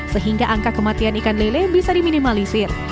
sehingga angka kematian ikan lele bisa diminimalisir